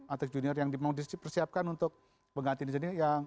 atlet junior yang mau dipersiapkan untuk mengganti di sejenis